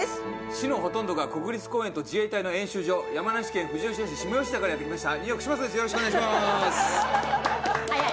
市のほとんどが国立公園と自衛隊の演習場山梨県富士吉田市下吉田からやって来ましたニューヨーク嶋佐です。